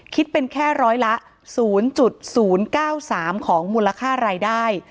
คิดเป็นแค่ร้อยละ๐๐๙๓ของมูลค่ารายได้